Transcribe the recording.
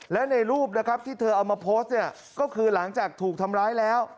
และในรูปนะครับที่เธอเอามาโพสต์เนี่ยก็คือหลังจากถูกทำร้ายแล้ว